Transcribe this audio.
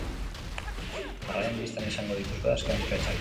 Jarraian bistan izango dituzue azken fetxak.